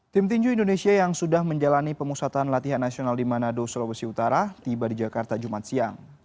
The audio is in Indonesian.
tim tinju indonesia yang sudah menjalani pemusatan latihan nasional di manado sulawesi utara tiba di jakarta jumat siang